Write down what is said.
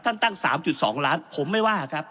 ท่านตั้งสามจุดสองล้านผมไม่ว่าครับ